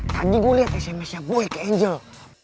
tadi gue liat smsnya boy ke angel